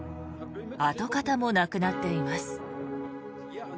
跡形もなくなっています。